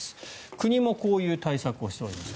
国もこういう対策をしています。